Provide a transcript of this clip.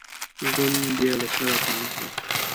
ژوند مې بیا له سره پیل کړ